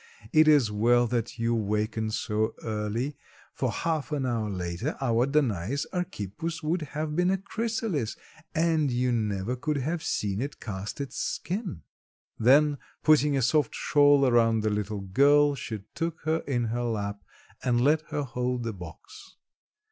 It is well that you wakened so early, for half an hour later our Danais Archippus would have been a chrysalis and you never could have seen it cast its skin." Then putting a soft shawl around the little girl she took her in her lap and let her hold the box.